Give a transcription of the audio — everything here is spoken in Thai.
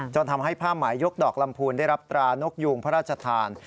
จนทำให้ผ้าหมายยกดอกลำพูนได้รับตรานกยูงพระราชทาน